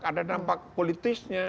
ada dampak politisnya